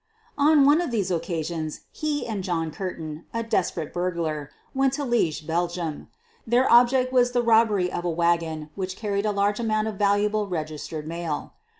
On one of these occasions he and John Curtin, a QUEEN OP THE BURGLARS S9 desperate burglar, went to Liege, Belgium. Their object was the robbery of a wagon which carried a large amount of valuable registered mail.